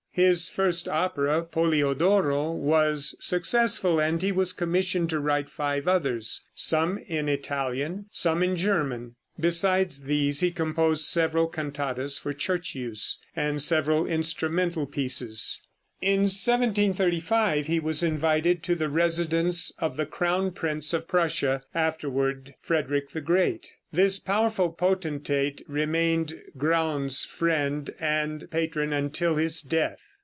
His first opera, "Polliodoro," was successful, and he was commissioned to write five others, some in Italian, some in German. Besides these he composed several cantatas for church use, and several instrumental pieces. In 1735 he was invited to the residence of the crown prince of Prussia, afterward Frederick the Great. This powerful potentate remained Graun's friend and patron until his death.